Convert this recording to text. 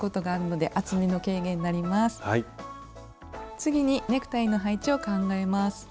次にネクタイの配置を考えます。